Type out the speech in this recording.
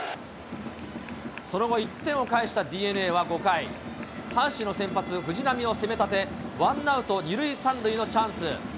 その後、１点を返したＤｅＮＡは５回、阪神の先発、藤浪を攻めたて、ワンアウト２塁３塁のチャンス。